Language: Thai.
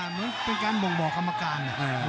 เหมือนเป็นการบ่งบอกกรรมการ